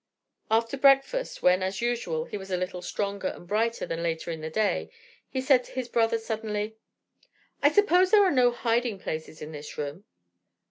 After breakfast, when, as usual, he was a little stronger and brighter than later in the day, he said to his brother suddenly: "I suppose there are no hiding places in this room?"